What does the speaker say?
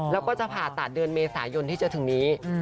แล้วก็จะผ่าตัดเดือนเมษายนที่จะถึงนี้